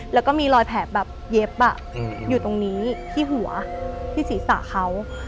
แล้วก็มีรอยแผลแบบเย็บอยู่ตรงนี้ที่หัวที่ศีรษะเขา